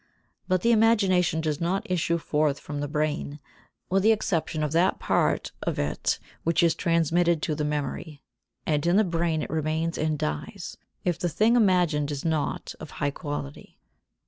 But the imagination does not issue forth from the brain, with the exception of that part of it which is transmitted to the memory, and in the brain it remains and dies, if the thing imagined is not of high quality.